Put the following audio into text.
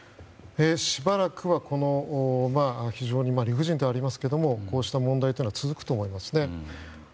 しばらくは非常に理不尽ではありますがこうした問題は続くと思います。